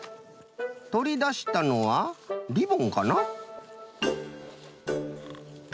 とりだしたのはリボンかな？